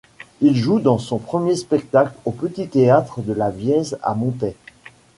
Il joue dans son premier spectacle au Petit théâtre de la Vièze à Monthey.